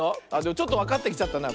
ちょっとわかってきちゃったな。